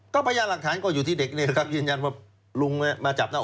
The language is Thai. ก็พยายามหลักฐานก็อยู่ที่เด็กเนี่ยครับยืนยันว่าลุงมาจับได้